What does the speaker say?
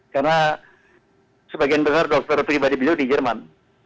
karena sebagian besar dokter pribadi beliau di jerman